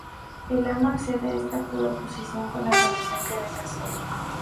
El Amo accede a esta proposición con la condición de que venga solo.